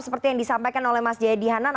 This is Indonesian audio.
seperti yang disampaikan oleh mas jayadi hanan